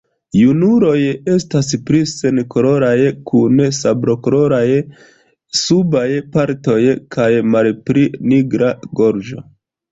Junuloj estas pli senkoloraj, kun sablokoloraj subaj partoj kaj malpli nigra gorĝo.